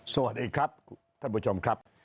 สวัสดีครับท่านผู้ชมครับ